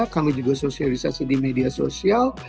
kami juga sosialisasi di media sosial